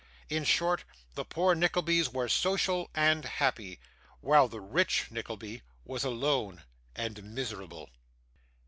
In short, the poor Nicklebys were social and happy; while the rich Nickleby was alone and miserable.